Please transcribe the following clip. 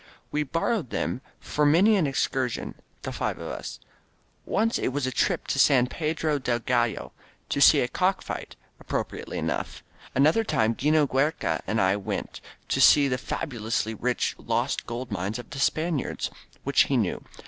We borrowed them for many an excursion — the five of us. Once it was a trip to San Pedro del 78 INSURGENT MEXICO Gallo to see a cock fight, appropriately enough. An other time 'Gino Giiereca and I went to see the fabu lously rich lost mines of the Spaniards, which he knew.